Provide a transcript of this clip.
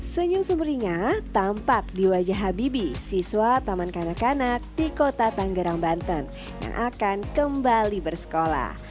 senyum sumberingah tampak di wajah habibi siswa taman kanak kanak di kota tanggerang banten yang akan kembali bersekolah